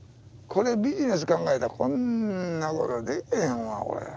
これビジネス考えたらこんなことでけへんわこれ。